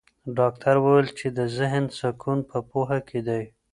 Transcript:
ډاکټر وویل چي د ذهن سکون په پوهه کې دی.